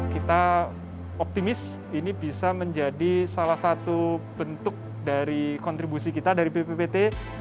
kita optimis ini bisa menjadi salah satu bentuk dari kontribusi kita dari bppt